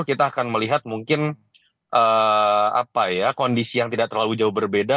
kita akan melihat mungkin kondisi yang tidak terlalu jauh berbeda